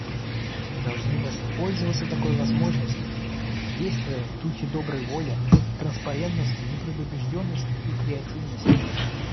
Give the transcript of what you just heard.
Мы должны воспользоваться такой возможностью, действуя в духе доброй воли, транспарентности, непредубежденности и креативности.